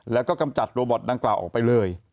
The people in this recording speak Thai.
แล้วก็กำจัดโรบอตดังกล่าวออกไปเลย